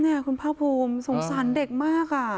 นี่คุณภาคภูมิสงสารเด็กมาก